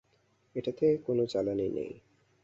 এটাতে কোনো জ্বালানি নেই।